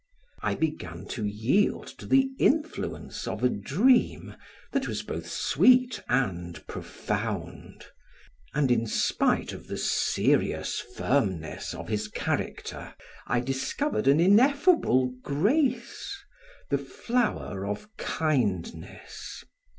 I began to yield to the influence of a dream that was both sweet and profound, and in spite of the serious firmness of his character, I discovered an ineffable grace, the flower of kindness.